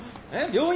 病院